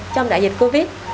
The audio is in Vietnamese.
trong đại dịch covid